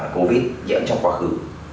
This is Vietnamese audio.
covid nhiễm trong quá khứ